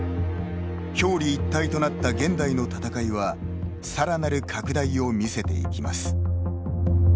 表裏一体となった現代の戦いはさらなる拡大をみせていきます。